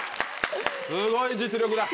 すごい実力だ。